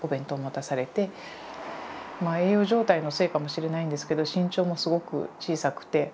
まあ栄養状態のせいかもしれないんですけど身長もすごく小さくて。